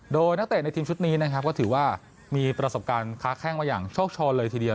โดยนักเตะในทีมชุดนี้นะครับก็ถือว่ามีประสบการณ์ค้าแข้งมาอย่างโชคโชนเลยทีเดียว